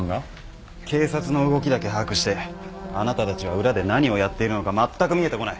警察の動きだけ把握してあなたたちは裏で何をやっているのかまったく見えてこない。